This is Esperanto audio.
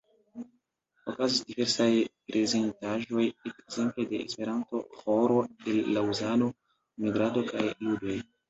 Okazis diversaj prezentaĵoj ekzemple de esperanto-ĥoro el Laŭzano, migrado kaj ludoj.